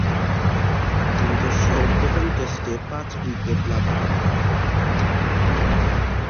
নিজস্ব প্রথম টেস্টে পাঁচ উইকেট লাভ করেন।